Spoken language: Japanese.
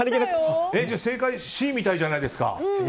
正解、Ｃみたいじゃないですか。